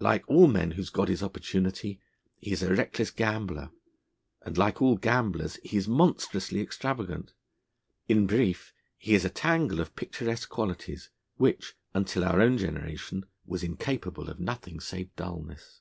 Like all men whose god is Opportunity, he is a reckless gambler; and, like all gamblers, he is monstrously extravagant. In brief, he is a tangle of picturesque qualities, which, until our own generation, was incapable of nothing save dulness.